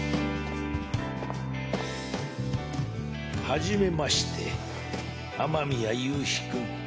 はじめまして雨宮夕日君。